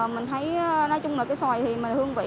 mình thấy nói chung là cái xoài thì mình hương vị